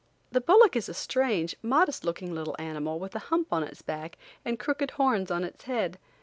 The bullock is a strange, modest looking little animal with a hump on its back and crooked horns on its head.